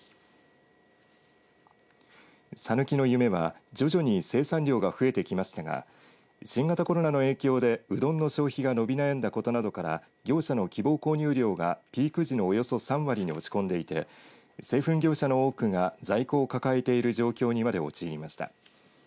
さぬきの夢は徐々に生産量が増えてきましたが新型コロナの影響でうどんの消費が伸び悩んだことなどから業者の希望購入量がピーク時のおよそ３割に落ち込んでいて製粉業者の多くが在庫を抱えている状況にまで陥りました。